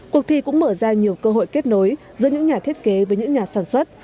cuộc thi cũng mở ra nhiều cơ hội kết nối giữa những nhà thiết kế với những nhà sản xuất